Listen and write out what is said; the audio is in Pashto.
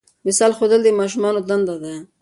مثال ښودل د ماشومانو دنده ده.